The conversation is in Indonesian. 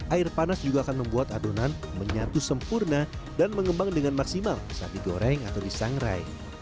air panas juga akan membuat adonan menyatu sempurna dan mengembang dengan maksimal saat digoreng atau disangrai